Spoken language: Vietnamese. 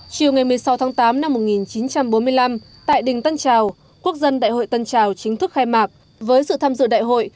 chiều ngày một mươi sáu tháng tám năm một nghìn chín trăm bốn mươi năm tại đình tân trào quốc dân đại hội tân trào chính thức khai mạc với sự tham dự đại hội